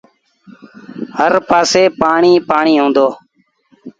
هر پآسي پآڻيٚ ئيٚ پآڻيٚ هُݩدو۔